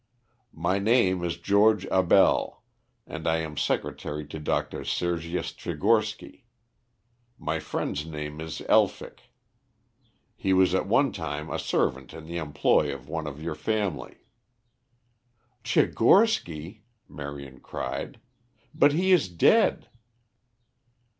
My name is George Abell, and I am secretary to Dr. Sergius Tchigorsky. My friend's name is Elphick. He was at one time a servant in the employ of one of your family." "Tchigorsky?" Marion cried. "But he is dead."